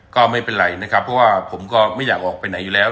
ก็ไม่เป็นไรนะครับเพราะว่าผมก็ไม่อยากออกไปไหนอยู่แล้ว